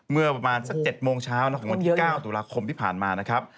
เมื่อประมาณสัก๗โมงเช้าของวันที่๙ตุลาคมที่ผ่านมานะครับ